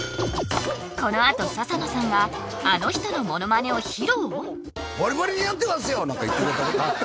このあと笹野さんがあの人のモノマネを披露！？